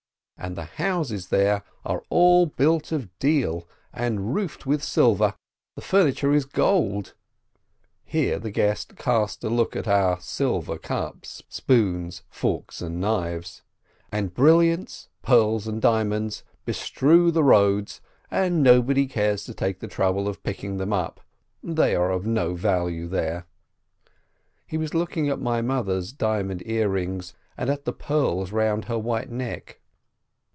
And the houses there are all built of deal, and roofed with silver, the furniture is gold (here the guest cast a look at our silver cups, spoons, forks, and knives), and brilliants, pearls, and diamonds bestrew the roads, and no one cares to take the trouble of picking them up, they are of no value there. (He was looking at my mother's diamond ear rings, and at the pearls round her white neck.)